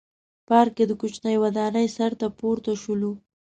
پارک کې د کوچنۍ ودانۍ سر ته پورته شولو.